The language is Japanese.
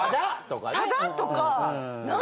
ただとかね。